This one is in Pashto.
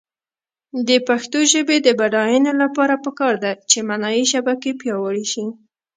د پښتو ژبې د بډاینې لپاره پکار ده چې معنايي شبکې پیاوړې شي.